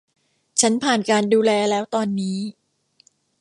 ฉันผ่านการดูแลแล้วตอนนี้